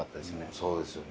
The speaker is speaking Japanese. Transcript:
そうですよね。